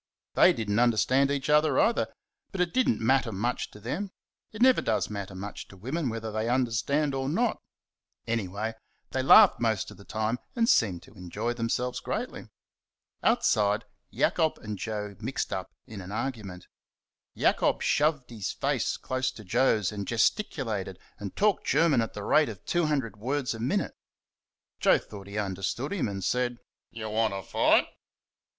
They did n't understand each other either; but it did n't matter much to them it never does matter much to women whether they understand or not; anyway, they laughed most of the time and seemed to enjoy themselves greatly. Outside Jacob and Joe mixed up in an argument. Jacob shoved his face close to Joe's and gesticulated and talked German at the rate of two hundred words a minute. Joe thought he understood him and said: "You want to fight?"